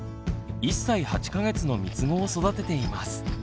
１歳８か月のみつごを育てています。